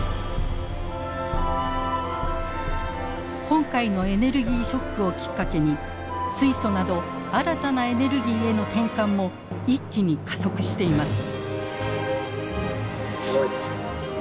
今回のエネルギーショックをきっかけに水素など新たなエネルギーへの転換も一気に加速しています。